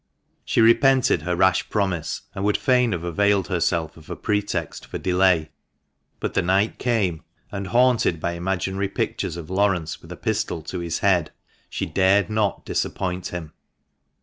She repented her rash promise, and would fain have availed herself of a pretext for delay, but the night came, and, haunted 358 THE MANCHESTER MAN. by imaginary pictures of Laurence with a pistol to his head, she dared not disappoint him.